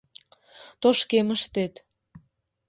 Тошкемыштет.